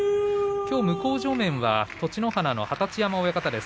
向正面は栃乃花の二十山親方です。